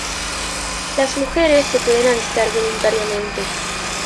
Las mujeres se pueden alistar voluntariamente.